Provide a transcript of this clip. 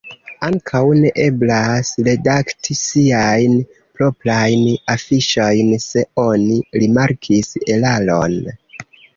Ankaŭ ne eblas redakti siajn proprajn afiŝojn, se oni rimarkis eraron.